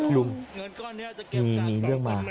ลุงนี่มีเรื่องมา